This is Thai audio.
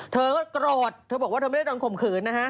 เธอก็กรอดเธอบอกว่าเธอไม่ได้ทวนคมขืน